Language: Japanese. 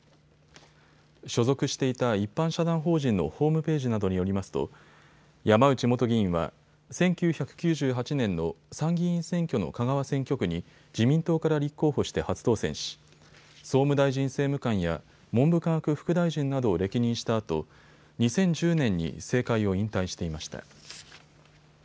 所属していた一般社団法人のホームページなどによりますと山内元議員は１９９８年の参議院選挙の香川選挙区に自民党から立候補して初当選し総務大臣政務官や文部科学副大臣などを歴任したあと２０１０年に政界を引退していました。